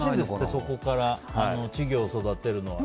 そこから稚魚を育てるのは。